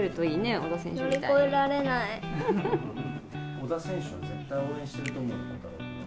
小田選手は絶対応援してると思うよ。